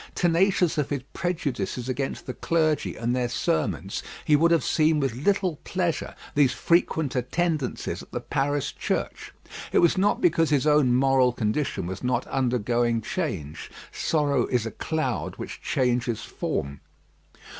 Tenacious of his prejudices against the clergy and their sermons, he would have seen with little pleasure these frequent attendances at the parish church. It was not because his own moral condition was not undergoing change. Sorrow is a cloud which changes form.